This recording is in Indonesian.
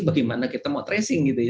bagaimana kita mau tracing gitu ya